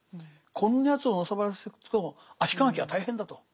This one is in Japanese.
こんなやつをのさばらせておくと足利家は大変だと。